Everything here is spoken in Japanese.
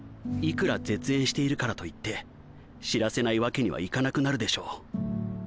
いくら絶縁しているからといって知らせないわけにはいかなくなるでしょう。